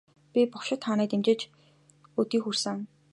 Би бошигт хааныг дэмжиж өдий хүрсэн.